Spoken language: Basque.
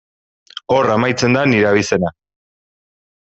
Hor amaitzen da nire abizena.